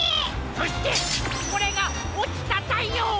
そしてこれが「おちたたいよう」！